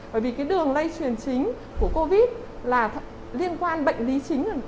bởi vì cái đường lây truyền chính của covid là liên quan bệnh lý chính